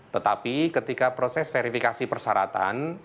tetapi ketika proses verifikasi persyaratan